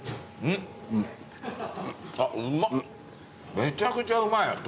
めちゃくちゃうまい鶏。